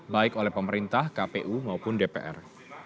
baik oleh pemerintah kpu maupun dpr